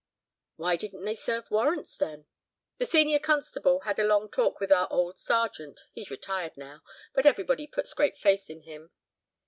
'" "Why didn't they serve warrants, then?" "The Senior Constable had a long talk with our old Sergeant—he's retired now, but everybody puts great faith in him."